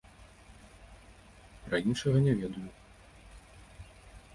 Пра іншага не ведаю.